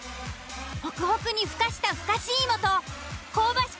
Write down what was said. ホクホクにふかしたふかし芋と香ばしく